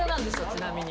ちなみに。